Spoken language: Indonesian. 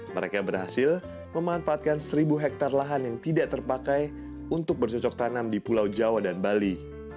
mereka berhasil memanfaatkan seribu hektare lahan yang tidak terpakai untuk bercocok tanam di pulau jawa dan bali